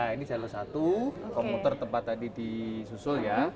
ini jalur satu komuter tempat tadi disusul ya